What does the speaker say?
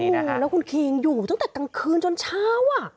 แล้วคุณคีงอยู่ตั้งแต่กลางคืนจนเช้าอ่ะ